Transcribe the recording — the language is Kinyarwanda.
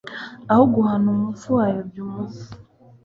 aho guhana umupfu wayobya umuvu